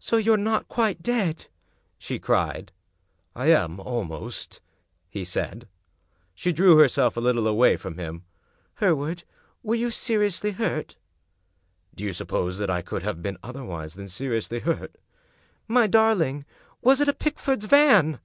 "So you're not quite dead?" she cried. " I am almost," he said. She drew herself a little away from him. " Hereward, were you seriously hurt? "" Do you suppose that I could have been otherwise than seriously hurt?" " My darling I Was it a Pickford's van?